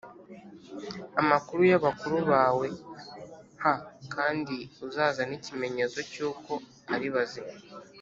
amakuru ya bakuru bawe h kandi uzazane ikimenyetso cy uko ari bazima